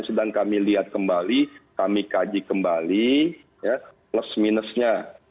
sedang kami lihat kembali kami kaji kembali plus minusnya